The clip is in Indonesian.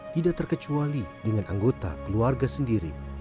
tidak terkecuali dengan anggota keluarga sendiri